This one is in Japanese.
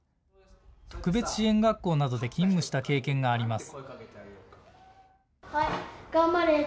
特別支援学校などで勤務した経験があります。